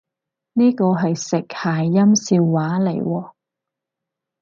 呢個係食諧音笑話嚟喎？